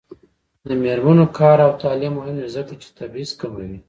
د میرمنو کار او تعلیم مهم دی ځکه چې تبعیض کموي.